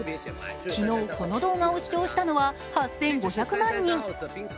昨日、この動画を視聴したのは８５００万人。